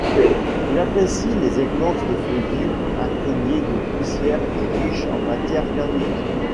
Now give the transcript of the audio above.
Il apprécie les écorces de feuillues imprégnées de poussières et riches en matières organique.